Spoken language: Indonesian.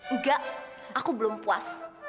enggak aku belum puas